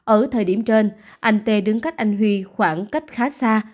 ở thời điểm trên anh tê đứng cách anh huy khoảng cách khá xa